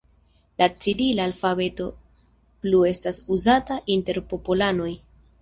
La cirila alfabeto plu estas uzata inter popolanoj.